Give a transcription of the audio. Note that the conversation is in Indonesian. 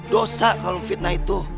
dosa kalau fitnah itu